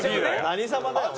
何様だよ？